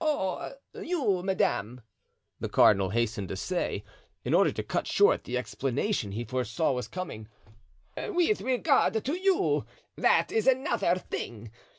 "Oh, you, madame," the cardinal hastened to say, in order to cut short the explanation he foresaw was coming, "with regard to you, that is another thing.